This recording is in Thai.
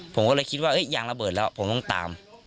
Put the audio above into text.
ผมก็เลยคิดว่ายางระเบิดแล้วผมต้องตาม